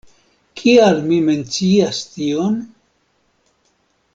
Kial mi mencias tion?